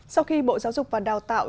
sau khi bộ giáo dục và đào tạo